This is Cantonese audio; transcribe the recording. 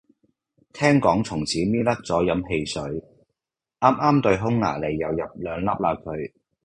聽講從此搣甩咗飲汽水，啱啱對匈牙利又入兩粒嘞佢